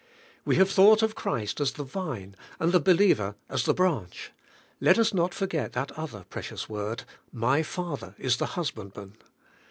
We have thought of Christ as the Vine, and the believer as the branch; let us not forget that other precious word, 'My Father is the Husbandman.'